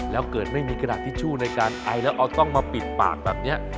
แล้วเกิดไม่มีกระดาษทิชชู่ในการไอแล้วเอาต้องมาปิดปากแบบนี้